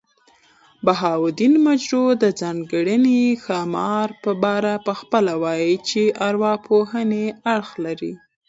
بهاوالدین مجروح د ځانځانۍ ښامارپه باره پخپله وايي، چي ارواپوهني اړخ لري.